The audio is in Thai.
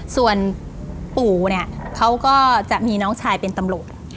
ส่วนปู่เนี่ยเขาก็จะมีน้องชายเป็นตำรวจ